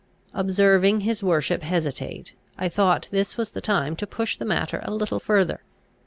Observing his worship hesitate, I thought this was the time to push the matter a little further.